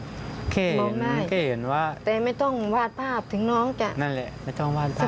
โอเคเห็นว่าแต่ไม่ต้องวาดภาพถึงน้องจะนั่นแหละไม่ต้องวาดภาพ